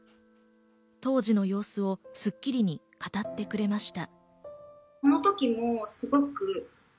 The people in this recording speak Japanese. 当時の様子を『スッキリ』に語ってくれました。